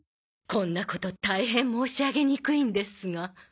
こんなこと大変申し上げにくいんですが。